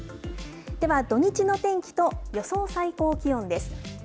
では、土日の天気と予想最高気温です。